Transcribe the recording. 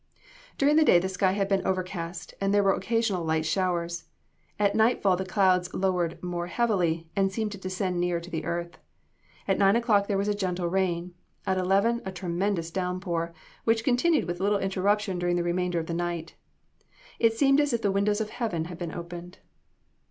During the day the sky had been overcast, and there were occasional light showers. At nightfall the clouds lowered more heavily, and seemed to descend nearer to the earth. At nine o'clock there was a gentle rain; at eleven, a tremendous down pour, which continued with little interruption during the remainder of the night. It seemed as if the windows of heaven had been opened.